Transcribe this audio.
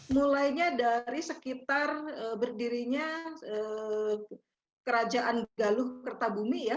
mulainya dari sekitar berdirinya kerajaan galuh kertabumi ya